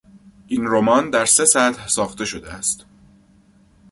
این رمان در سه سطح ساخته شده است.